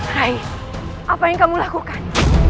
apa yang kamu lakukan